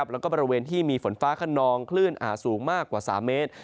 แล้วก็บริเวณที่มีฝนฟ้าขนองคลื่นอาจสูงมากกว่า๓เมตร